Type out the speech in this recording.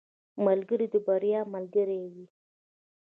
ملګری د بریا ملګری وي.